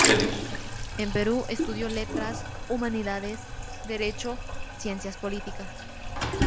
En Perú estudió Letras, Humanidades, Derecho, Ciencias Políticas.